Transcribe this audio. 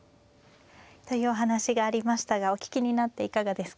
というお話がありましたがお聞きになっていかがですか。